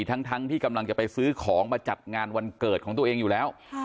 ทั้งที่กำลังจะไปซื้อของมาจัดงานวันเกิดของตัวเองอยู่แล้ว